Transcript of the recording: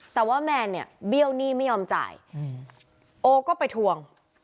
แต่ว่าแมนเนี่ยเบี้ยวหนี้ไม่ยอมจ่ายโอก็ไปทวง